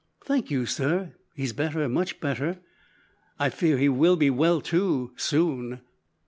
"Thank you, sir, he's better; much better. I fear he will be well too soon."